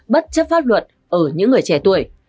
bất chấp pháp luật ở những người trẻ tuổi